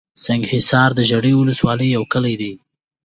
سنګحصار دژړۍ ولسوالۍ يٶ کلى دئ